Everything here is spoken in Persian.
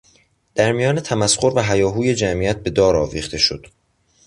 در میان تمسخر و هیاهوی جمعیت به دار آویخته شد.